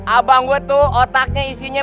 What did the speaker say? abang gue tuh otaknya isinya